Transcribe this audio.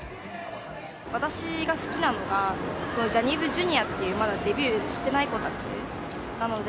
私が好きなのが、ジャニーズＪｒ．っていうまだデビューしてない子たちなので、